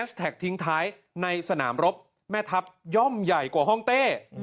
แท็กทิ้งท้ายในสนามรบแม่ทัพย่อมใหญ่กว่าห้องเต้